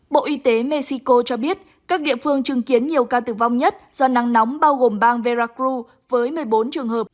bộ y tế mexico cho biết các địa phương chứng kiến nhiều ca tử vong nhất do nắng nóng bao gồm bang veracru với một mươi bốn trường hợp